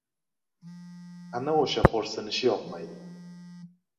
Ana o‘sha xo‘rsinishi yoqmaydi.